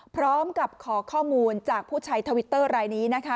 พร้อมกับขอข้อมูลจากผู้ใช้ทวิตเตอร์รายนี้นะคะ